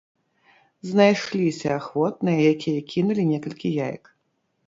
Знайшліся ахвотныя, якія кінулі некалькі яек.